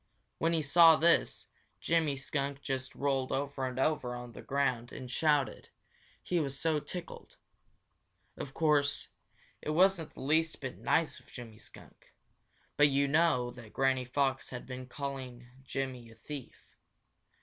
When he saw this, Jimmy Skunk just rolled over and over on the ground and shouted, he was so tickled. Of course, it wasn't the least bit nice of Jimmy Skunk, but you know that Granny Fox had been calling Jimmy a thief.